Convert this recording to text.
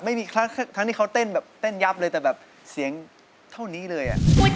ทั้งกันเขาเต้นยับเลยแต่แบบเสียงเท่านี้เลย